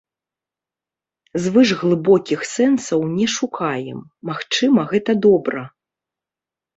Звышглыбокіх сэнсаў не шукаем, магчыма, гэта добра.